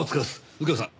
右京さん